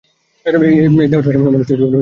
এই দেহতৃষ্ণা মনুষ্যজীবনে সর্বনাশের কারণ।